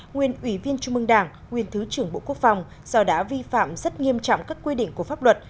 nguyễn ủy viên trung ương đảng nguyễn thứ trưởng bộ quốc phòng do đã vi phạm rất nghiêm trọng các quy định của pháp luật